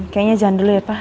kayaknya jangan dulu ya pak